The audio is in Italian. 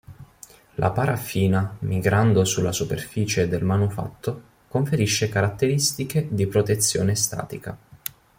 La paraffina, migrando sulla superficie del manufatto, conferisce caratteristiche di protezione statica.